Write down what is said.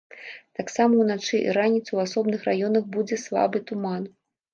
Таксама ўначы і раніцай у асобных раёнах будзе слабы туман.